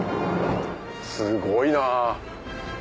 すごいな。